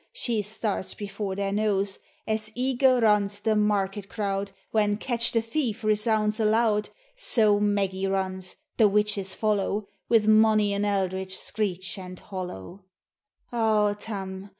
she starts before their nose ; As eager runs the market crowd, When Catch the thief/ resounds aloud ; So Maggie runs, — the witches follow, Wi' monie an eldritch skreech and hollow. Ah, Tam